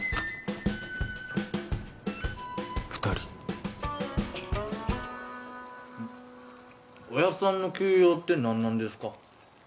二人おやっさんの急用って何なんですか？